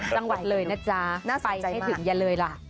จังหวัดเลยนะจ๊ะไปไม่ถึงอย่าเลยล่ะ